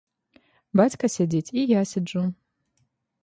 Бацька сядзіць, і я сяджу.